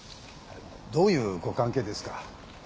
どういうご関係ですか？